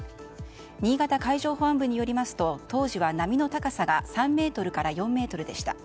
新潟海上保安本部によりますと当時は波の高さが３ｍから４ｍでした。